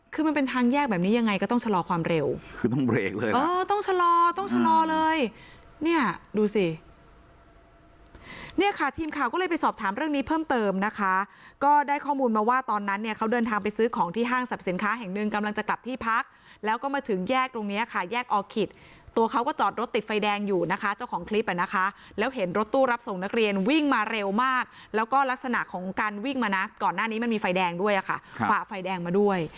คือมันเป็นทางแยกแบบนี้ยังไงก็ต้องชะลอความเร็วคือต้องเบรกเลยนะเออต้องชะลอต้องชะลอเลยเนี่ยดูสิเนี่ยค่ะทีมข่าวก็เลยไปสอบถามเรื่องนี้เพิ่มเติมนะคะก็ได้ข้อมูลมาว่าตอนนั้นเนี่ยเขาเดินทางไปซื้อของที่ห้างสรรพสินค้าแห่งหนึ่งกำลังจะกลับที่พักแล้วก็มาถึงแยกตรงเนี้ยค่ะแยกออคิดตัว